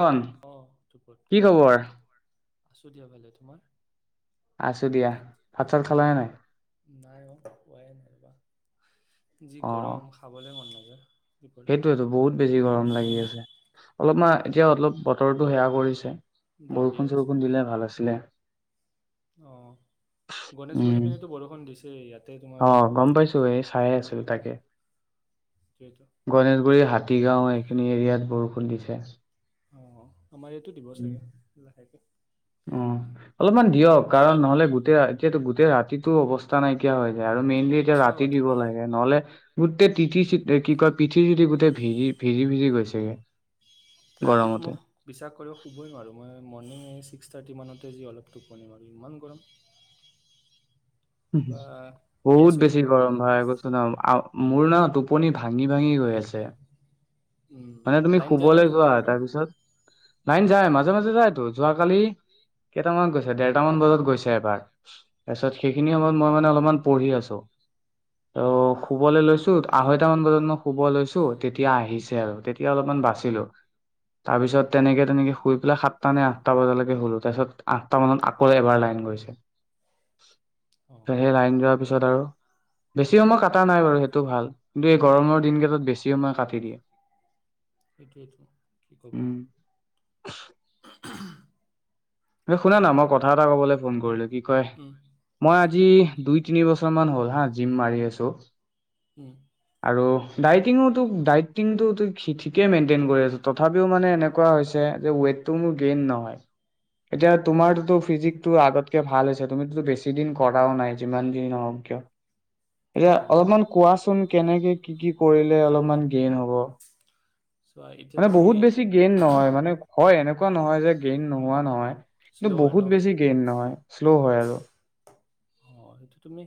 কন অ', কি খবৰ আছো দিয়া ভালে তোমাৰ আছো দিয়া ভাত চাত খালা নে নাই? নাই অ পাই নাইব। যি অ গৰম খাবলৈ মন নাযায়। উ সেইটোয়েতো বহুত বেছি গৰম লাগি আছে অলপমান এতিয়া অলপ বতৰটো সেৱয়া কৰিছে ডাৱৰীয়া বৰষুণ চৰষুণ দিলে ভাল আছিলে আহ গনেশগুৰি উম পিনে বৰষুণ দিছে ইয়াতে অ তোমাৰ গম পাইছো এই চাইে আছিলো তাকে গণেশগুৰি হাতীগাঁও এইখিনি এৰিয়াত বৰষুণ দিছে অ আমাৰ ইয়াতো দিব উম চাগে লাহেকৈ অ অলপমান দিয়ক কাৰণ নহ'লে গোটেই এতিয়াতো গোটেই ৰা কিন্তু টো অৱস্থা নাইকিয়া হয় আৰু মেইনলি এতিয়া সঁচা ৰাতি কথা দিব লাগে নহলে গোটেই তিঠি চি কি কয় পিঠি চুঠি গোটেই ভিজি ভিজি ভিজি গৈছেগে ৰাতিটো গৰমতে মোক, বিশ্বাস শুবই নোৱাৰোঁ, মই মৰ্ণিং এই ছিক্স থাৰ্টি মানতে যি অলপ টোপনি মাৰো, ইমান গৰম। হুমহু কিবা গেছ বহুত হৈ বেছি যায় গৰম ঘৰটো। ভাই, কৈছো ন। মোৰ নাও টোপনি ভাঙি ভাঙি গৈ আছে। উম, মানে তুমি লাইন যায় নে শুবলৈ যোৱা, তোমালোকৰ পিনে? তাৰপিছত? লাইন যাই। মাজে-মাজে যায়তো, যোৱাকালি, কেইটামানত গৈছে? দেৰটামান বজাত গৈছে এবাৰ তাৰপিছত সেইখিনি সময়ত মই মানে অলপমান পঢ়ি আছো। অ শুবলে লৈছো। আঢ়ৈটা মান বজাত মই শুব লৈছো, তেতিয়া আহিছে আৰু। তেতিয়া অলপমান বাচিলো। তাৰপিছত তেনেকে-তেনেকে শুই পেলাই সাত সাতটা নে আঠটা বজালৈকে শুলো তাৰ পিছত, আঠটা মানত আকৌ এবাৰ লাইন গৈছে। অ হে লাইন যোৱাৰ পিছত আৰু বেছি সময় কটা নাই বাৰু, সেইটো ভাল। দে গৰমৰ দিনকেইটাত বেছি সময় কাটি দিয়ে। সেইটোৱতো, কি কবা উম, ওমহ ঐ শুনা না, মই কথা এটা কবলৈ ফোন কৰিলো। কি কয়? উম মই কোৱাচোন। আজি দুই তিনি বছৰ মান হ'ল হা মাৰি আছো। আছোঁ। উম আৰু ডাইটিংঙো তোক, ডাইটিংটোত হিঠিক কে মেইনটেইন কৰি আছোঁ, তথাপিও মানে এনেক কোৱা হৈছে যে ৱেটটো মোৰ গেইন নহয়, এতিয়া তোমাৰটোতো ফিজিক্তটো আগতকে ভাল হৈছে, তুমিটোতো বেছি দিন কৰাও নাই। যিমান যি নহওক কিয়। এইয়া অ অলপমান কোৱাচোন কেনেকে কি-কি কৰিলে অলপমান গেইন হব? চোৱা এতিয়া মানে তুমি বহুত বেছি গেইন নহয়, মানে হয় এনেকুৱা নহয় যে, গ্ৰিংক নোহোৱা নহয়। কিন্তু শ্ল' হয় ন বহুত বেছি গেইন নহয়, শ্ল' হয় আৰু। অ সেইটো তুমি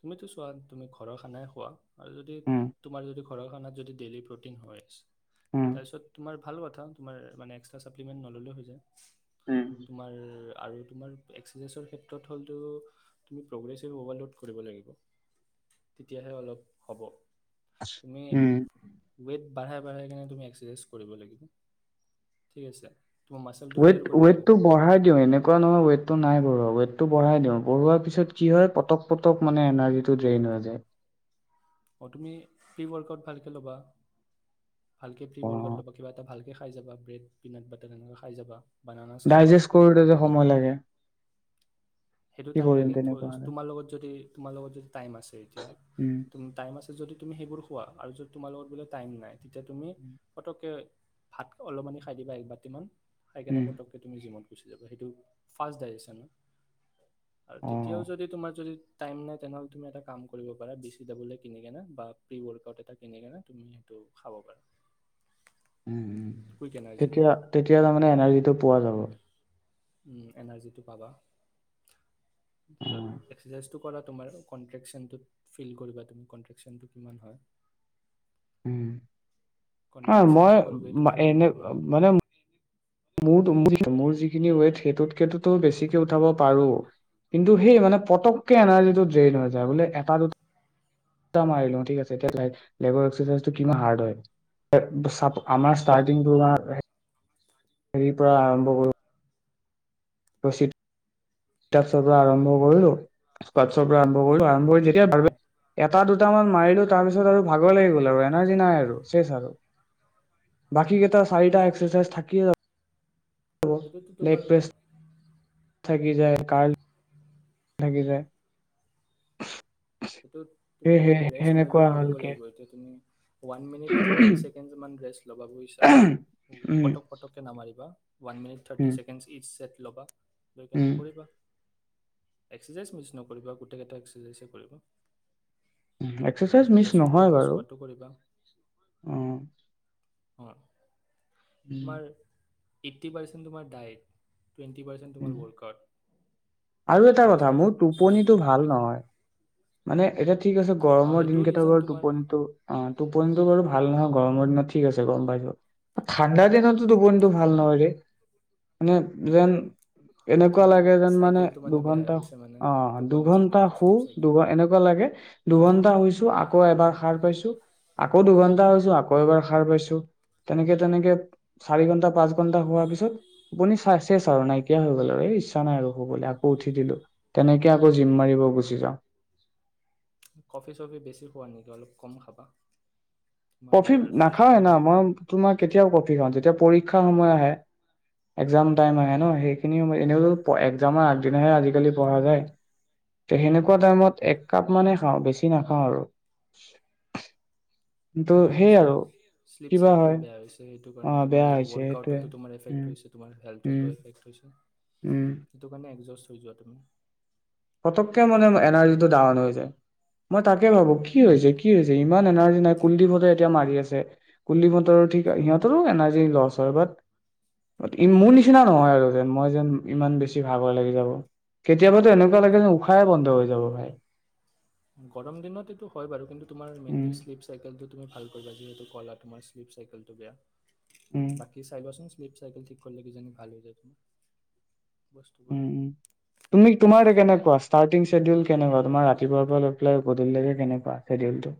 তুমিতো চোৱা, তুমি ঘৰৰ খানাই খোৱা? আৰু যদি, উম তোমাৰ যদি ঘৰৰ কাৰণে যদি, ডেইলি প্ৰটিন হৈয আছে উম তাৰপিছত তোমাৰ ভাল কথা, তোমাৰ মানে এক্সত্ৰা স্বাৰ্থিবিকেট নল'লেও হৈ যায়। তোমাৰ। আৰু তোমাৰ এক্সাৰচাইজৰ ক্ষেত্ৰত হ'লতো তুমি প্ৰগ্ৰেছেভ অভাৰলোড কৰিব লাগিব তেতিয়াহে অলপ হ'ব তুমি উম উদ বাঢ়াই বাঢ়াই কেনে তুমি এক্সেচাইজ কৰিব লাগিব ঠিক আছে। তোমাৰ মাচলটো ক্লিয়াৰ ওৱেট কৰিব ওৱেট লাগিব টো বঢ়াই দিও এনেকুৱা নহয় ওৱেট। নাই় ৱেটটো বঢ়াই দিওঁ বঢ়োৱাৰ পিছত কি হয় পতক পটক মানে এনাৰ্জিটো ড্ৰেইন হৈ যায়। অ তুমি প্ৰি-ৱৰ্কআউট ভালকে ল'বা ভালকে প্ৰি-ৱৰ্কআউট অ', ল'বা কিবা এটা ভালকে খাই যাবা ব্ৰেড পিট বাটাৰ হেনেকে খাই যাবা। বানানাছ খাবা ডাইজেষ্ট কৰোতেতে সময় লাগে। সেইটো কি টাইম লে কৰিম তেনেকুৱা হলে তোমাৰ লগত যদি তোমাৰ লগত যদি টাইম আছে এতিয়া উম টাইম আছে যদি তুমি সেইবোৰ খোৱা আৰু যত তোমাৰ লগত বোলে টাইম নাই। তেতিয়া তুমি পটককৈ ভাত অলপমানি খাই দিবা একবাতিমান। সেইকাৰণে উম পটকে তুমি যিমত। গুচি যাব সেইটো ফাৰ্ষ্ট ডাইৰেচন। আৰু অ', তেতিয়াও যদি তোমাৰ যদি টাইম নাই তেনেহ'লে তুমি এটা কাম কৰিব পাৰা বি চি ডাবুল কিনি কেনে বা প্ৰি ৱৰ্কআউট এটা কিনি কেনে তুমি সেইটো খাব পাৰা। উমম' কুইক এনাৰ্জি দিব তেতিয়া তেতিয়া তাৰমানে এনাৰ্জিটো পোৱা যাব এনাৰ্জিটো পাবা। তাৰ পাছত এক্সাৰচাইজ টু কৰা তোমাৰ কন্ত্ৰেকচনটোত ফিল কৰিবা তুমি কন্ত্ৰেকচনটো কিমান হয়। উ হ কনট্ৰেকচন মই অকল ৱেইট উঠালে এনে নহ'ব ন মানে। মোৰ যিখিনি ৱেইট সেইটোতকেটো বেছিকে উঠাব পাৰো কিন্তু সেই মানে পটককে এনাৰ্জিটো ড্ৰেইন হৈ যায় বোলে এটা দুতা মাৰীলো থিক আছে লেজাৰ অক্সিজেন টো কিমান হাৰ্ড হয়। [unintelligible] [unintelligible] হেৰি পৰা আৰম্ভ কৰোঁ। ৰ [unintelligible] পৰা আৰম্ভ কৰিলো স্ছৰ পৰা আৰম্ভ কৰিলো্ যেতিয়া [unintelligible] উম, ভ [unintelligible] এটা দুটামান মাৰিলো তাৰপিছত আৰু ভাগৰ লাগি গ'ল আৰু এনাৰ্জি নাই আৰু চেচ আৰু বাকী কেইটা চাৰিটা এক্সাৰচাইজ থাকিয়ে য সেইটোতো তোমাৰ। থাকি যায় কাৰ। থাকি যায় সেইটো সেই তুমি সেই ৰেষ্ট লৈলেও সেনেকুৱা কৰিব হ'লকে লাগিব এতিয়া তুমি one minute thirty um seconds মান ৰেষ্ট ল'বা বুজিছা উম পটক পটককে নামাৰিবা। One minute thirty um second it set ল'বা সেইকাৰণে উম। কৰিবা। এক্সৰচাইজ মিছ নকৰিবা। গোটেই কেইটা এক্সৰচাইজে কৰিবা। এক্সাৰচাইজ লেগ মিচ প্ৰেছো নহয় কৰিবা বাৰু, স্কোৱাটো কৰিবা অ। অ [unintelligible] উম মাৰ এইট্টি পাৰ্চেণ্ট তোমাৰ ডায়েট টুৱেণ্টি পাৰ্চেণ্ট উম তোমাৰ ৱৰ্ল্ড কাৰ্ড। আৰু এটা কথা, মোৰ টোপনিটো ভাল নহয়। মানে এতিয়া ঠিক আছে। অঁ গৰমৰ দিন সেইটোও কেইটা ৰিজন বাৰু তোমাৰ টোপনিটো অ টোপনিটো বাৰু ভাল নহয় গৰমৰ দিনত ঠিক আছে গম পাইছো, ঠাণ্ডাৰ দিনতো টোপনিটো ভাল নহয় ৰে মানে যেন অ, এনেকুৱা তোমাৰ লাগে যেন মানে চাইকেলটো বেয়া হৈ দুঘন্টা গৈছে মানে অ টোপনি দুঘন্টা চাইকেলটো শু শ্লিপ চাইকেল দুবাৰ এনেকুৱা লাগে দুঘণ্টা শুইছো আকৌ এবাৰ সাৰ পাইছো। আকৌ দুঘণ্টা শুইছো আকৌ এবাৰ সাৰ পাইছো। তেনেকে-তেনেকে চাৰি ঘন্টা, পাঁচ ঘন্টা শুৱা পিছত টোপনি চেচ আৰু নাইকিয়া হৈ গল আৰু এই ইচ্ছা নাই আৰু শুবলে। আকৌ উঠি দিলো তেনেকে আকৌ জিম মাৰিব গুচি যাওঁ। কফি-চফি বেছি খোৱা নেকি? অলপ কম খাবা। তোমাৰ কফি নাখাও এ না টোপনি মই তোমাৰ কেতিয়াও কফি। যেতিয়া পৰীক্ষাৰ সময় আহে এগজাম টাইম আহে ন? অঁ সেইখিনিও এনেও অ এগজামৰ আগদিনাহে আজিকালি পঢ়া যায়। ত সেনেকুৱা অঁ টাইমত এক কাপ ইমানে খাওঁ বেছি নাখাওঁ আৰু। কিন্তু তোমাৰ সেই আৰু শ্লীপ-শ্লীপ কিবা চাইকেল হয় বেয়া হৈছে। সেইটো অ কাৰণে তোমাৰ বেয়া হৈছে সেইটোৱে ৱৰ্কআউটতো তোমাৰ উম এফেক্ট হৈছে তোমাৰ উম হেলথতটো এফেক্ট হৈছে। উম ইটো কাৰণে জাষ্ট শুই যোৱা তুমি। পটককে মানে মোৰ এনাৰ্জিটো ডাউন হৈ যায়। মই তাকে ভাবো কি হৈছে, কি হৈছে? ইমান এনাৰ্জি নাই কুলদীপহতে এতিয়া মাৰি আছে। কুলদীপহঁতৰো ঠিক সিহঁতৰো এনাৰ্জি লছ হয় বাট মোৰ নিচিনা নহয় আৰু যেন মই যেন ইমান বেছি ভাগৰ লাগি যাব কেতিয়াবাটো লাগে যে উশাহে বন্ধ হৈ যাব ভাই গৰম দিনত এইটো হয় বাৰু, কিন্তু তোমাৰ উম মেইনলি শ্লীপ চাইকেলটো তুমি ভাল কৰিবা যিহেতু কলা তোমাৰ শ্লীপ চাইকেলটো বেয়া। উম বাকী চাই আহিবাচোন। শ্লীপ চাইকেল ঠিক কৰিলে কিজানি ভাল হৈ যায় তোমাৰ। বস্তুবোৰ উম উম তুমি তোমাৰ এ কেনেকুৱা ষ্টাৰ্টিং চ্বেডিউল কেনেকুৱা তোমাৰ ৰাতিপুৱাৰ পৰা লৈ পেলাই গধূলিলৈকে কেনেকুৱা চছেডিউলটো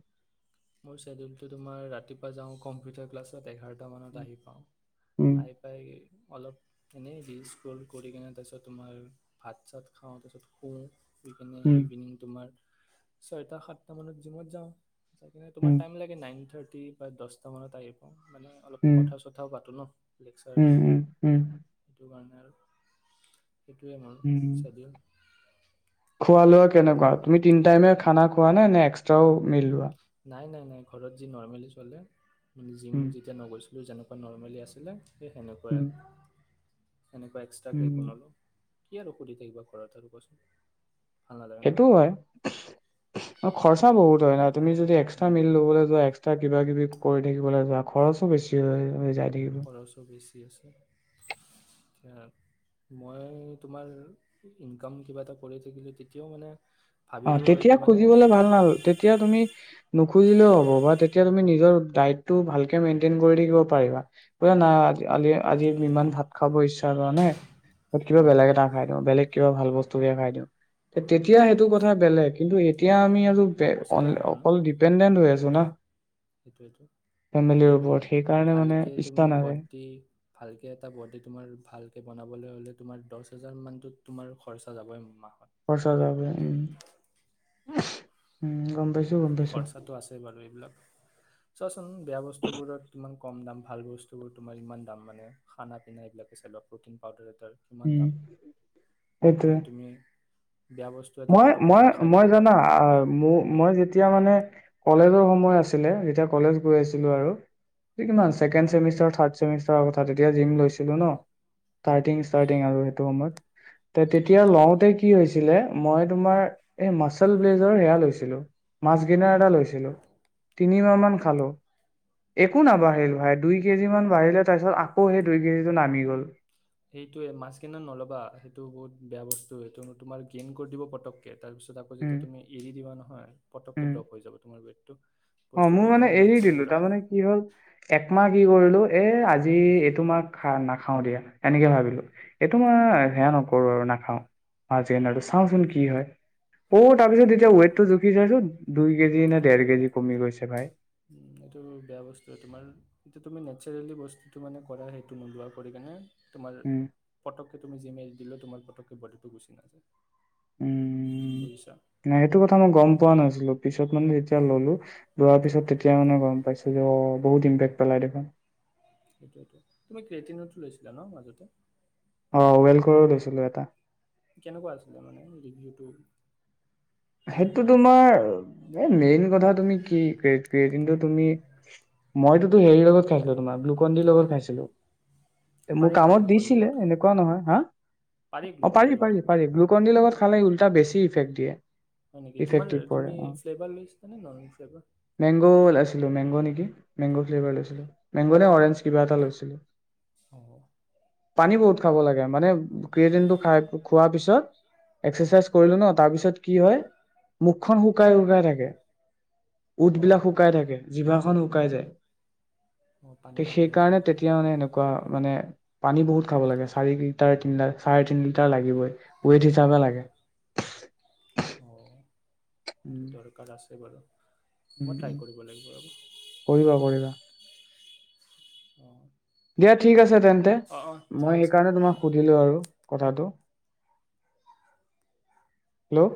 তোমাৰ ৰাতিপা যাওঁ কম্পিউটাৰ ক্লাচট এঘাঁৰ দু মানত আহি পাওঁ উম আহি পাই অলপ এনেই ৰিজ কৰি কিনে তাৰপিছত তোমাৰ ভাত চাত খাওঁ তাৰপিছত শুওঁ বিপিনে উম ইভিনিং তোমাৰ ছয়টা সাতটা মানত জিমত যাওঁ তোমাৰ উম টাইম লাগে নাইন থাৰ্ ৰা প্ৰায় দহটা মানত আহি পাওঁ মানে অলপ উম কথা চথাও পাতো ন। লেকচাৰ উম উম উম সেইটো কাৰণে আৰু সেইটোৱে আ মাৰ উম। স্বাধীন খোৱা লোৱা কেনেকুৱা তুমি তিন টাইমে খানা খোৱা নে নে এক্সট্ৰাও মিল লোৱা নাই নাই নাই ঘৰত যি নৰ্মেলি চলে মানে জিম উম যেতিয়া নগৈছ এই যেনেকুৱা নৰ্মেলি আছিলে। স সেনেকুৱাই উম সেনেকুৱা এক্সট্ৰা উম। কেকনালো কিয় আৰু ঔষুধ থাকিবা ঘৰ ত আৰু কোৱাচোন ভাল নালাগে ন? সেইটোও হয় আৰু খৰচা বহুত হয় ন। তুমি যদি এক্সট্ৰা উম, মিল লবলৈ যোৱা এক্সট্ৰা কিবা কিবি কৰি থাকিবলৈ যোৱা খৰচো বেছি হয় যায় থাকিব। খৰচো বেছি আছে মই তোমাৰ ইনকাম কিবা এটা কৰি থাকিলো তেতিয়াও মানে অ ভাবিলোঁ হয় তেতিয়া কি মানে খুজিবলে ভাল ন হ'ল তেতিয়া তুমি নুখুজিলেও হ'ব বা তেতিয়া তুমি নিজৰ ডাইটটো ভালকে মেইনটেইন কৰি থাকিব পাৰিবা তই উম, নাই আলি আজি আজি তুমি ইমান ভাত খাব ইচ্ছা কৰানে। ত কিবা উম, বেলেগ এটা খাই দিওঁ বেলেগ। কিবা ভাল বস্তু ব খাই দিওঁ তেতিয়া অঁ সেইটো কথা বেলেগ কিন্তু এতিয়া আমি আৰু অকল ডিপেণ্ডেণ্ট হৈ আছো না সেইটোবে টো কি ফেমিলিৰ তুমি ওপৰত সেইকাৰণে মানে ভালকে ইচ্ছা তুমি নাযায় বডি ভালকে এটা বডি তোমাৰ ভালকে বনাবলৈ হলে। তোমাৰ দহ হাজাৰ মানতত তোমাৰ খৰচা যাবই মাহ ফচা যাব উম গম পাইছো গম পাইছো খৰচটো আছে বাৰু এইবিলাক চোৱাচোন বেয়া বস্তুবোৰত তোমাক কম দাম ভাল বস্তুবোৰ তোমাৰ ইমান দাম মানে খানা পিনা এইবিলাকে চোৱা প্ৰিন পাউডাৰ কিমান উম দাম সেইটোৱে এয়া তুমি বেয়া বস্তু এটা মই পটককে মই তুমি খাই মই দিব জানা পাৰা ম মই যেতিয়া তেতিয়া মানে কলেজৰ সময় আছিলে যেতিয়া কলেজ গৈ আছিলো আৰু কিমান ছেণ্ড উম, চমিষ্টাৰ থাৰ্ডমিষ্টাৰ কথা তেতিয়া জিম লৈছিলো ন উম। ষ্টাৰ্টিং ষ্টাৰ্টিং আৰু সেইটো সময়ত তে তেতিয়া লওঁতে কি হৈছিলে মই তোমাৰ এই মাচেল ব্লেজৰ সেৱ লৈছিলো মাছ গিনাৰ লৈছিলো অ তিনিমাহান খালো একো নাবাঢ়িল ভাই দুই কেজি মমান বাঢ়িলে তাৰপিছত আকৌ সেই দুই কেজিটো নামি গ'ল সেইটোৱে মাছকনেত নলবা সেইটো বহুত বেয়া বস্তু সেইটো তোমাৰ গেইন কৰি দিব পটককৈ তাৰপিছত আকৌ উম যেতিয়া তুমি এৰি দিবা নহয় উম পটকৈ ড্ৰপ হৈ যাব তোমাৰ ৱেট অ মোৰ মানে এৰি দিলো তাৰমানানে কি হল একমাহ কি কৰিলো এ আজি এইটো মাক খা নাখাও দিয়া তেনেকে ভাবিলো এইটো মই অ সেয়া নকৰো আৰু নাখাওঁ আাজ আৰুটো চাওঁচোন কি হয় অ তাৰপিছত এতিয়া ৱট টো জুখি যাইছো দুই কেজিে ডেৰ কেজি কমি গৈছে ভাই উম এইটো বেয়া বস্তু তোমাৰ এতিয়া তুমি নেচাৰেলি বস্তুটো মানে কৰা সেইটো নোলোৱা কৰি কিণনে তোমাৰ উম পটকক তুমি জিমেইল দিলে তোমাৰ পতকে বিটো গুচি নাযায় উম বুজিছা ন সেইটো কথা ক মই গম পোৱা নাছিলো পিছত মানে যেতিয়া ললো লোৱাৰ উম, পিছত তেতিয়া মানে গম পাইছো যে অ বহুত ইম্পেক্ পেলাই দেখা সেইটোটো তুমি ক্ৰটিনতো লৈছিলা ন মাজতে আহ ৱেল কৰি লৈছিলো এটা টো সেইটো তোমাৰ মেইন কথা তুমি কি কিন্তু তুমি মইতোো হেৰিৰ লগত খাইছিলো তোমাৰ ব্লুকনিৰ লগত খাইছিলো মোক পাৰি নেকি কামত গ্লুকন ডিৰ দিছিলে লগত খাব এনেকুৱা নহয় হা অ গ্লুকন ডিৰ পাৰি লগত পাৰি খাব পাৰি গ্লুকণ্ডিৰ লগত খালে উল্টা বেছি। ইফেকট দিয়ে। হয় নেকি তোমাৰ ইফেক্টিভ কৰে তুমি অ ফ্লেভাৰ লৈছা নে নন ফ্লেভাৰ। মেনগ নেকি মেনগ লৈছিলোঁ মেনগ নে অৰেঞ্জ ফ্লেভাৰ কিবা এটা লৈছিল। অ পানী বহুত। খাব লাগে মানে কেইদিনটো খাই খোৱাৰ পিছত। অ এক্সেচাইজ কৰিলো ন তাৰপিছত কি হয় মুখখন শুকাই, শুকাই থাকে। অ উটবিলাক শুকাই থাকে জিভা খন শুকাই যায়। অ পানী খাব লাগে সেইকাৰণে তেতিয়া মানে এনেকুৱা। মানে পানী বহুত খাব লাগে চাৰি লিটাৰ তিনি চাৰে তিন লিটাৰ লাগিবই ওৱেট হিচাপে লাগে। অ উম টো দৰকাৰ আছে। এইবাৰ আৰু উম, উ কৰিবা, কৰিবা। অ দিয়া ঠিক আছে। তেন্তে অ' অ' ঠিক মই আছে দিয়া। সেইকাৰণে তোমাক সুধিলো আৰু। কথাটো, হেল্ল'